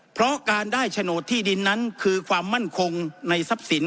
เพราะการได้โฉนดที่ดินนั้นคือความมั่นคงในทรัพย์สิน